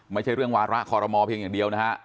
ไม่ใช่เรื่องวาระคอรมอลเพียงอย่างเดียวนะฮะ